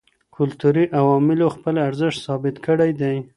کلتوري عواملو خپل ارزښت ثابت کړی دی.